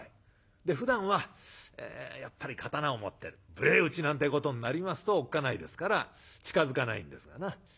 ふだんはやっぱり刀を持って無礼打ちなんてことになりますとおっかないですから近づかないんですがな。